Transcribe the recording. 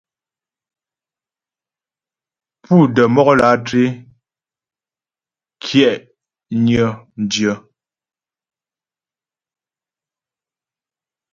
Pú də́ mɔk lǎtré kyɛ'nyə dyə.